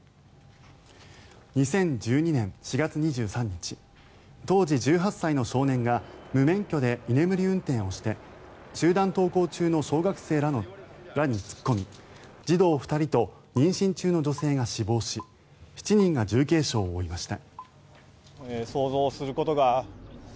２０１２年４月２３日当時１８歳の少年が無免許で居眠り運転をして集団登校中の小学生らに突っ込み児童２人と妊娠中の女性が死亡し７人が重軽傷を負いました。